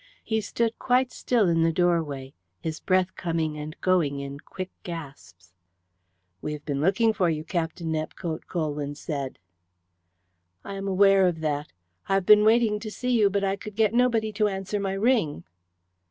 He stood quite still in the doorway, his breath coming and going in quick gasps. "We have been looking for you, Captain Nepcote," Colwyn said. "I am aware of that. I have been waiting to see you, but I could get nobody to answer my ring."